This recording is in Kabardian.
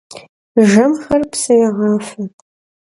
Jjemxer psı yêğafe!